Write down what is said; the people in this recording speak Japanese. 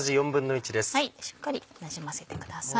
しっかりなじませてください。